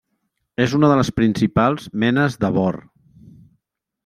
És una de les principals menes de bor.